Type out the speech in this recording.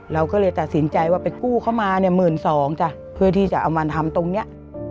เราก็เลยตัดสินใจว่าไปกู้เข้ามาเนี่ย๑๒๐๐จ้ะเพื่อที่จะเอามาทำตรงนี้